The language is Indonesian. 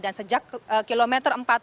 sejak kilometer empat puluh